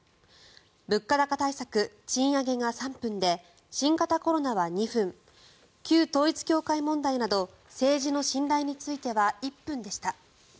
物価高対策・賃上げが３分で新型コロナは２分旧統一教会問題など政治の信頼については１分でした。